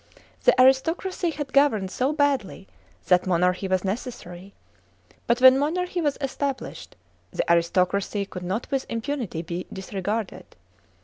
The aris tocracy had governed so badly that monarchy was necessary ; but when monarchy was established, the aristocracy could not with impunity be disregarded.